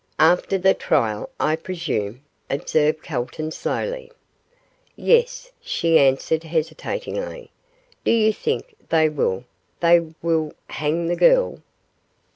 'After the trial, I presume?' observed Calton, slowly. 'Yes,' she answered, hesitatingly; 'do you think they will they will hang the girl?